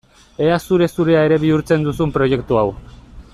Ea zure-zurea ere bihurtzen duzun proiektu hau!